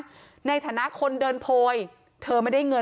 ความปลอดภัยของนายอภิรักษ์และครอบครัวด้วยซ้ำ